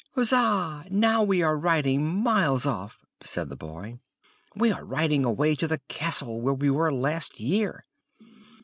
"Huzza! Now we are riding miles off," said the boy. "We are riding away to the castle where we were last year!"